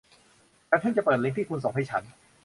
ฉันเพิ่งจะเปิดลิงค์ที่คุณส่งให้ฉัน